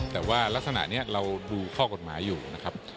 แต่ว่ารักษณะนี้เราดูข้อกฎหมายอยู่นะครับ